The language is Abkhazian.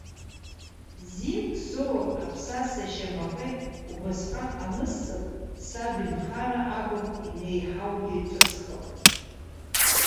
Зинк соур, аԥсасеи ашьамаҟеи убасҟак анысҵап, саб инхара акәым, инеиҳаугьы ҿысхып.